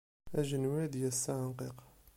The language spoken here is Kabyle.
Ajenwi ad d-yas s aεenqiq.